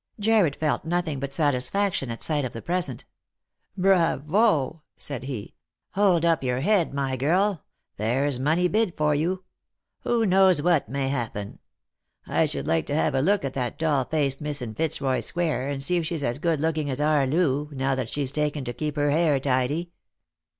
Jarred felt nothing but satisfaction at sight of the present. " Bravo !" said he. " Hold up your head, my girl ; there's money bid for you. Who knows what may happen ? I should like to have a look at that doll faced Miss in Pitzroy square, and see if she's as good looking as our Loo, now that she's taken to keep her hair tidy."